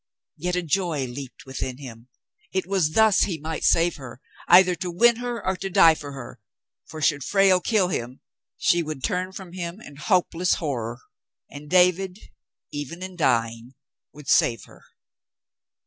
Yet a joy leaped within him. It was thus he might save her, either to win her or to die for her, for should Frale kill him, she would turn from him in hopeless horror, and David, even in dying, would save her.